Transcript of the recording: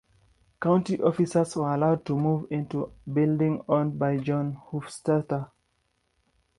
County officers were allowed to move into a building owned by John U. Hofstetter.